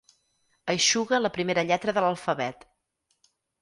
Eixuga la primera lletra de l'alfabet.